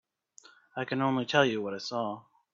I can only tell you what I saw.